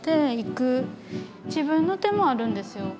自分の手もあるんですよ。